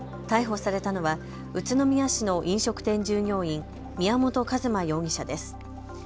逮捕されたのは宇都宮市の飲食店従業員、宮本一馬容疑者です。